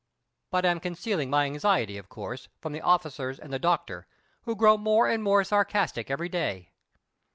But am concealing my anxiety, of course, from the officers and the doctor, who grow more and more sarcastic every day.